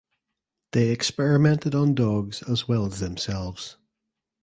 They experimented on dogs as well as themselves.